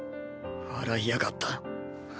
笑いやがった。